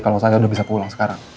kalau saya udah bisa pulang sekarang